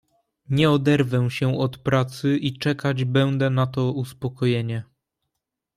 "Nie oderwę się od pracy i czekać będę na to uspokojenie."